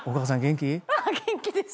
元気です。